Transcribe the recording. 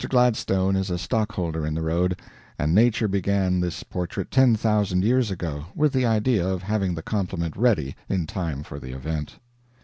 Gladstone is a stockholder in the road, and Nature began this portrait ten thousand years ago, with the idea of having the compliment ready in time for the event.